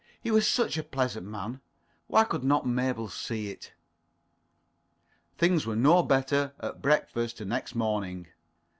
He was such a pleasant man. Why could not Mabel see it? Things were no better at breakfast next morning.